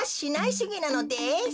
しゅぎなのです。